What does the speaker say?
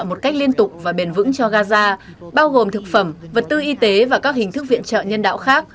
một cách liên tục và bền vững cho gaza bao gồm thực phẩm vật tư y tế và các hình thức viện trợ nhân đạo khác